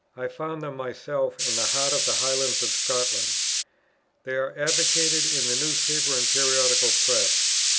I found them myself in the heart of the highlands of Scotland. They are advocated in the newspaper and periodical press.